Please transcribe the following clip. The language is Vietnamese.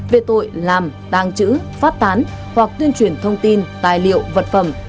về tội làm tàng trữ phát tán hoặc tuyên truyền thông tin tài liệu vật phẩm